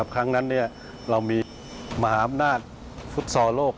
ครั้งนั้นเรามีมหาอำนาจฟุตซอลโลก